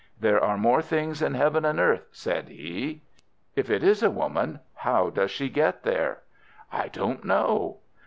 "There are more things in heaven and earth," said he. "If it is a woman, how does she get there?" "I don't know."